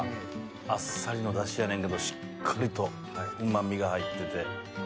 あっさりのダシやねんけどしっかりとうま味が入ってて。